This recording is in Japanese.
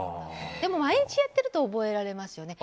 でも毎日やってると覚えられますよね。